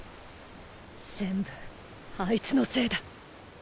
全部あいつのせいだ。